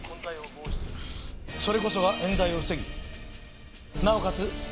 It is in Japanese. それこそが冤罪を防ぎなおかつ